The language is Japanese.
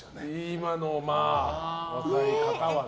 今の若い方はね。